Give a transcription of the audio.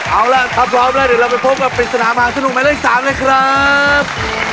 เอาล่ะถ้าพร้อมแล้วเดี๋ยวเราไปพบกับปริศนามหาสนุกหมายเลข๓เลยครับ